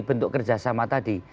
bentuk kerjasama tadi